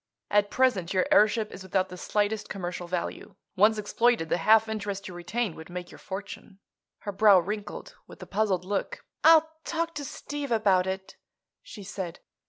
At present your airship is without the slightest commercial value. Once exploited, the half interest you retain would make your fortune." Her brow wrinkled with a puzzled look. "I'll talk to Steve about it," she said.